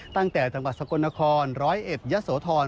ตั้งแต่จังหวัดสกลนคร๑๐๑ยะโสธร